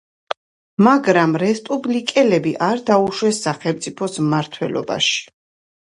მაგრამ რესპუბლიკელები არ დაუშვეს სახელმწიფოს მმართველობაში.